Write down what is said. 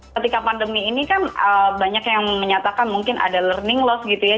ketika pandemi ini kan banyak yang menyatakan mungkin ada learning loss gitu ya